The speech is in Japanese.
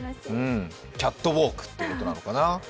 キャットウォークということなのかな。